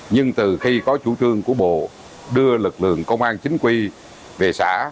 nhưng từ khi có chủ trương của bộ đưa lực lượng công an chính quy về xã